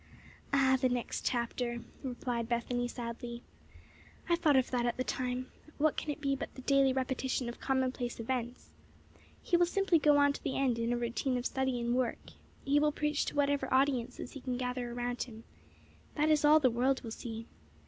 "Ah, the next chapter," replied Bethany, sadly. "I thought of that at the time. What can it be but the daily repetition of commonplace events? He will simply go on to the end in a routine of study and work. He will preach to whatever audiences he can gather around him. That is all the world will see.